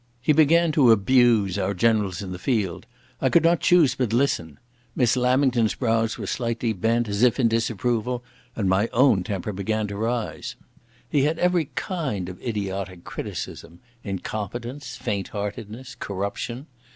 He began to abuse our generals in the field. I could not choose but listen. Miss Lamington's brows were slightly bent, as if in disapproval, and my own temper began to rise. He had every kind of idiotic criticism—incompetence, faint heartedness, corruption.